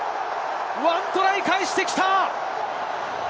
１トライ、返してきた！